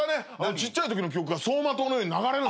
ちっちゃいときの記憶が走馬灯のように流れる。